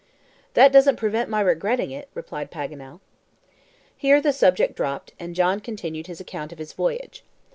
"That doesn't prevent my regretting it," replied Paganel. Here the subject dropped, and John continued his account of his voyage.